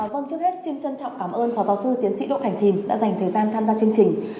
vâng trước hết xin trân trọng cảm ơn phó giáo sư tiến sĩ đỗ cảnh thìn đã dành thời gian tham gia chương trình